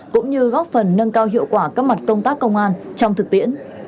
cũng như góp phần nâng cao hiệu quả các mặt công tác công an trong thực tiễn